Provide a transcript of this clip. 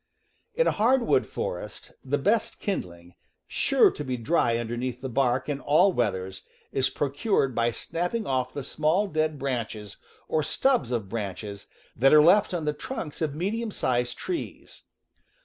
In a hardwood forest the best kindling, sure to be dry underneath the bark in all weathers, is procured by snapping off the small dead branches, or stubs of branches, that are left on the trunks of medium sized trees.